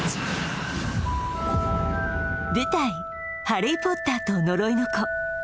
「ハリー・ポッターと呪いの子」